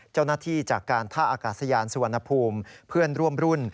เจ้าหน้าที่จากการท่าอากาศยานสวนภูมิเพื่อนร่วมรุ่น